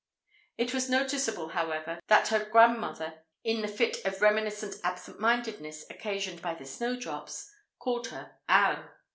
It was noticeable, however, that her grandmother, in the fit of reminiscent absent mindedness occasioned by the snowdrops, called her Ann.